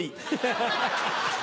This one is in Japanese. ハハハ！